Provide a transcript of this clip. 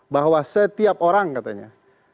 bahwa setiap orang katanya